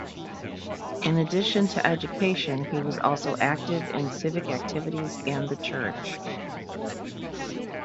In addition to education, he was also active in civic activities and the church.